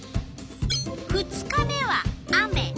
２日目は雨。